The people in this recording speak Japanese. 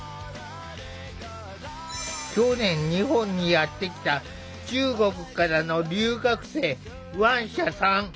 去年日本にやって来た中国からの留学生ワンシャさん。